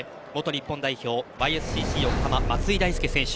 日本代表Ｙ．Ｓ．Ｃ．Ｃ．横浜松井大輔選手。